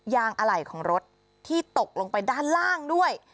อะไหล่ของรถที่ตกลงไปด้านล่างด้วย